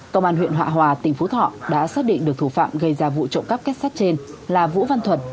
công an huyện hạ hòa tỉnh phú thọ đã xác định được thủ phạm gây ra vụ trộm cắp kết sắt trên là vũ văn thuật